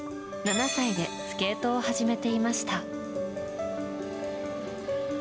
７歳でスケートを始めていました。